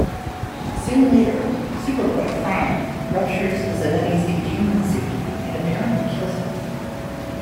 Soon later, Superboy-Prime ruptures Zanetti's containment suit and apparently kills him.